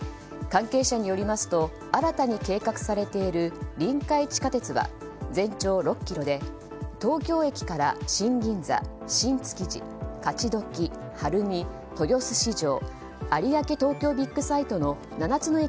関係者によりますと新たに計画されている臨海地下鉄は全長６ｋｍで東京駅から新銀座、新築地勝どき、晴海、豊洲市場